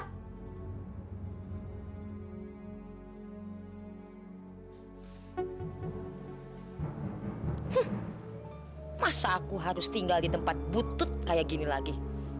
hah masa aku harus tinggal di tempat butut kayak gini lagi